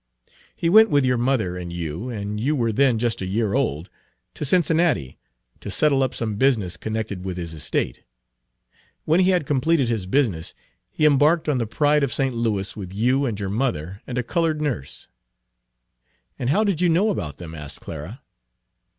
"He went with your mother and you you were then just a year old to Cincinnati, to settle up some business connected with his estate. When he had completed his business, he embarked on the Pride of St. Louis with you and your mother and a colored nurse." "And how did you know about them?" asked Clara.